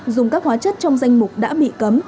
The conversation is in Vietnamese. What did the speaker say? dùng các hóa chất trong danh mục đã bị cấm